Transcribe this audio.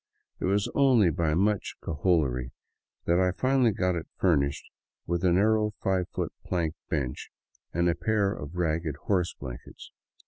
It was only by much cajolery that I finally got it furnished with a narrow five foot plank bench and a pair of ragged horse blankets.